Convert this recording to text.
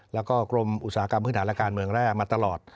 แล้วก็กรมอุตสาหกรรมพื้นฐานและการเมืองแร่มาตลอด